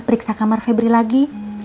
periksa kamar febri lagi